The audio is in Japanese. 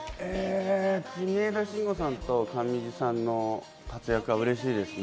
国枝慎吾さんと上地さんの活躍は嬉しいですね。